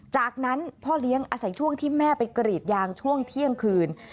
จากนั้นพ่อเลี้ยงอาศัยช่วงที่แม่ไปกรีดยางช่วงเที่ยงคืน